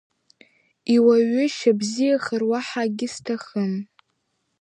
Иуаҩышьа бзиахар, уаҳа акгьы сҭахым.